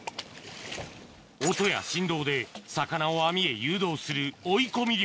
音や振動で魚を網へ誘導する追い込み漁